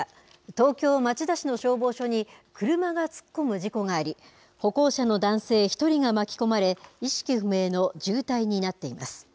東京・町田市の消防署に車が突っ込む事故があり、歩行者の男性１人が巻き込まれ、意識不明の重体になっています。